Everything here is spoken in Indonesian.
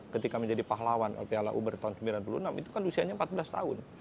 ketika menjadi pahlawan lpl uber tahun seribu sembilan ratus sembilan puluh enam itu kan usianya empat belas tahun